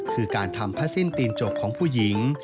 คือการทำผ้าสิ้นตีนจบของผู้หญิง